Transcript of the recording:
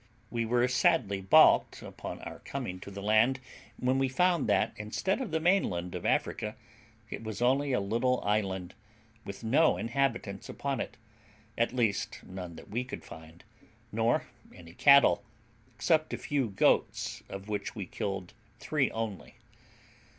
We were sadly baulked upon our coming to the land, when we found that, instead of the mainland of Africa, it was only a little island, with no inhabitants upon it, at least none that we could find; nor any cattle, except a few goats, of which we killed three only.